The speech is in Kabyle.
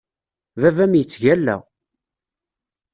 Baba-m yettgalla.